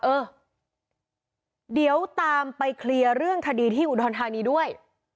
เออเดี๋ยวตามไปเคลียร์เรื่องคดีที่อุดรธานีด้วย